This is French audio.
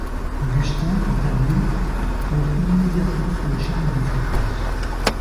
Augustin quant à lui tombe immédiatement sous le charme de Florence.